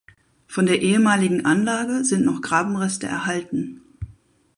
Von der ehemaligen Anlage sind noch Grabenreste erhalten.